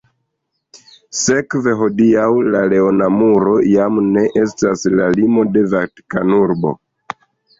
Sekve hodiaŭ la leona muro jam ne estas la limo de Vatikanurbo.